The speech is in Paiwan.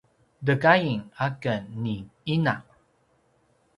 tegain a ken ni ina